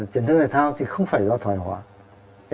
trấn thức thể thao thì không phải do thoải hóa